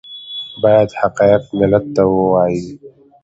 باید حقایق ملت ته ووایي